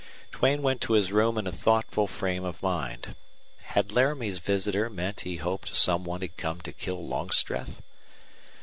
Duane went to his room in a thoughtful frame of mind. Had Laramie's visitor meant he hoped some one had come to kill Longstreth?